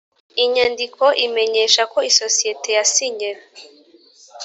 inyandiko imenyesha ko isosiyete yasinye